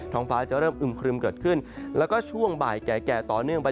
ฟ้าจะเริ่มอึมครึมเกิดขึ้นแล้วก็ช่วงบ่ายแก่ต่อเนื่องไป